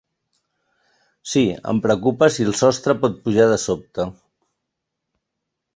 Sí, em preocupa si el sostre pot pujar de sobte.